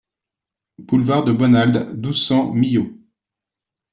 Boulevard de Bonald, douze, cent Millau